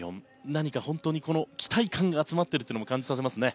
何か本当に期待感が集まっているというのも感じさせますね。